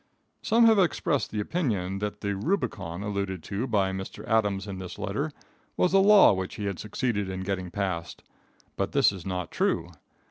Some have expressed the opinion that "the rubicon" alluded to by Mr. Adams in this letter was a law which he had succeeded in getting passed; but this is not true.